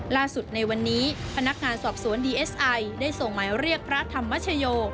ในวันนี้พนักงานสอบสวนดีเอสไอได้ส่งหมายเรียกพระธรรมชโย